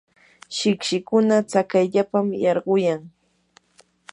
siksikuna tsakayllapam yarquyan.